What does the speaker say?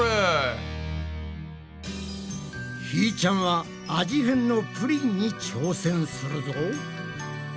ひーちゃんは味変のプリンに挑戦するぞ。